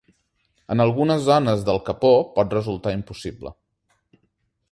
En algunes zones del capó pot resultar impossible.